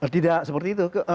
tidak seperti itu